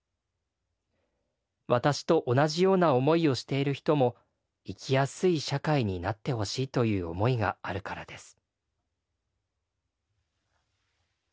私と同じような思いをしている人も生きやすい社会になってほしいという思いがあるからです」。